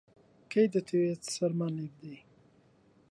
کەی دەتەوێ سەرمان لێ بدەی؟